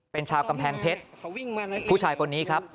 เป็นชาวกำแพงเพชรผู้ชายคนนี้ครับ